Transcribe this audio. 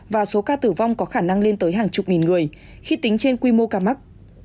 và số ca tử vong có khả năng lên tới hàng chục nghìn người khi tính trên quy mô ca mắc